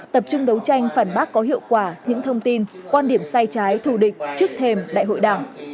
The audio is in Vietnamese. tập trung đấu tranh phản bác có hiệu quả những thông tin quan điểm sai trái thù địch trước thềm đại hội đảng